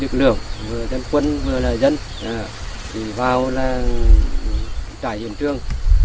được lượng vừa dân quân vừa là dân thì vào là chạy hiện trường